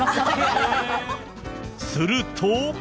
すると。